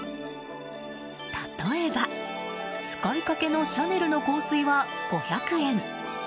例えば、使いかけのシャネルの香水は５００円。